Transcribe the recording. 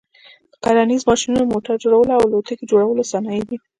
د کرنیز ماشینو، موټر جوړلو او الوتکي جوړلو صنایع دي.